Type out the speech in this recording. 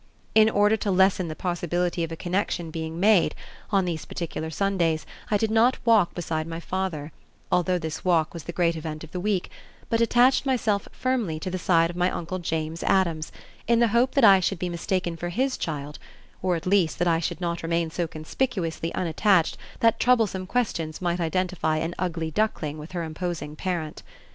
In order to lessen the possibility of a connection being made, on these particular Sundays I did not walk beside my father, although this walk was the great event of the week, but attached myself firmly to the side of my Uncle James Addams, in the hope that I should be mistaken for his child, or at least that I should not remain so conspicuously unattached that troublesome questions might identify an Ugly Duckling with her imposing parent.